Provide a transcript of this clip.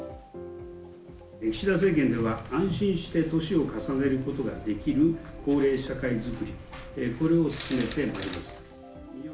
岸田政権では、安心して歳を重ねることができる高齢社会作り、これを進めてまいります。